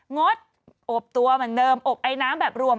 งดอบตัวเหมือนเดิมอบไอน้ำแบบรวม